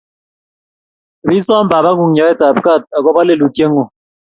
Pii som papang'ung' nyoet ap kaat akopo lelutyeng'ung'.